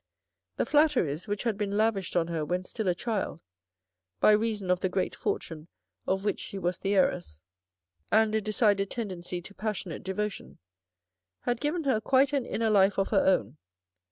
The flatteries which had been lavished on her when still a child, by reason of the great fortune of which she was the heiress, and a decided tendency to passionate devotion, had given her quite an inner life of her own.